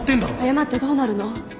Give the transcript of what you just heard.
謝ってどうなるの？